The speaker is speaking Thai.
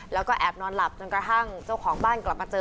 แล้วก็แอบนอนหลับจนกระทั่งเจ้าของบ้านกลับมาเจอ